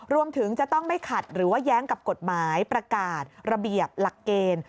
รวมถึงจะต้องไม่ขัดหรือว่าแย้งกับกฎหมายประกาศระเบียบหลักเกณฑ์